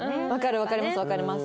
わかります。